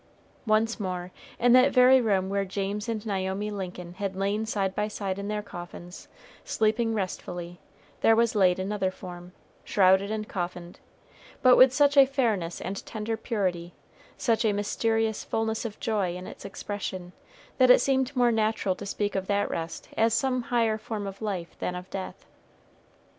Once more, in that very room where James and Naomi Lincoln had lain side by side in their coffins, sleeping restfully, there was laid another form, shrouded and coffined, but with such a fairness and tender purity, such a mysterious fullness of joy in its expression, that it seemed more natural to speak of that rest as some higher form of life than of death.